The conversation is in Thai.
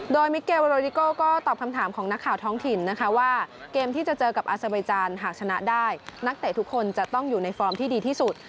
โดยมิเกลโรดิโก้ก็ตอบคำถามของนักข่าวท้องถิ่นนะคะว่าเกมที่จะเจอกับอาซาเบยจานหากชนะได้นักเตะทุกคนจะต้องอยู่ในฟอร์มที่ดีที่สุด